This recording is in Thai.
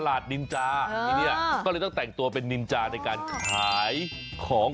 นินจาที่เนี่ยก็เลยต้องแต่งตัวเป็นนินจาในการขายของ